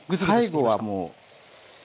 最後はもう強火。